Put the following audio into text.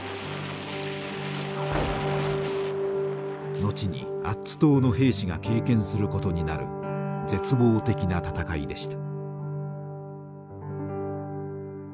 後にアッツ島の兵士が経験することになる絶望的な戦いでした。